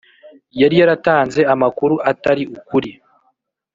yari yaratanze amakuru atari ukuri